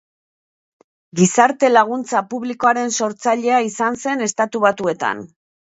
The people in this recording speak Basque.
Gizarte laguntza publikoaren sortzailea izan zen Estatu Batuetan.